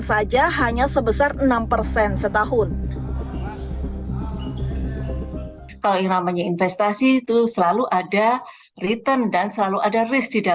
saja hanya sebesar enam persen setahun kau ingin investasi itu selalu ada return dan selalu ada